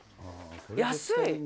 安い。